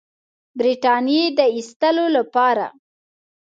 برټانیې د ایستلو لپاره.